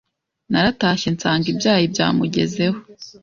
naratashye nsanga ibyayi byamugezeho